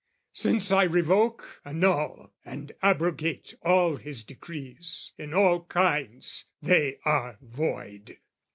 "'Since I revoke, annul and abrogate "'All his decrees in all kinds: they are void!